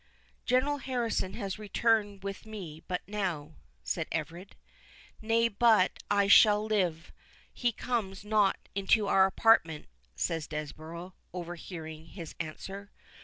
"General Harrison has returned with me but now," said Everard. "Nay but, as I shall live, he comes not into our apartment," said Desborough, overhearing his answer.